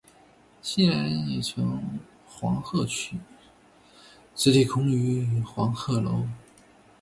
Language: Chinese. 昔人已乘黄鹤去，此地空余黄鹤楼。